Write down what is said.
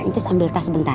ncus ambil tas bentar